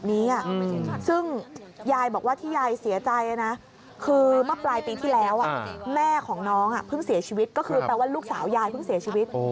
นี่ก็คือแปลว่าลูกสาวยายพึ่งเสียชีวิต